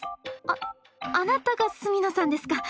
あっあなたが住野さんですか。